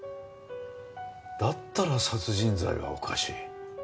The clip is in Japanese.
だったら殺人罪はおかしい。